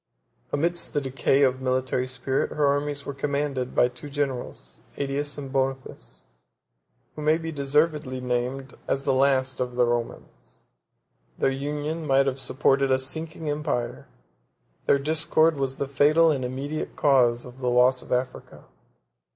Amidst the decay of military spirit, her armies were commanded by two generals, Ætius 9 and Boniface, 10 who may be deservedly named as the last of the Romans. Their union might have supported a sinking empire; their discord was the fatal and immediate cause of the loss of Africa.